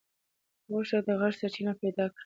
هغه غوښتل چې د غږ سرچینه پیدا کړي.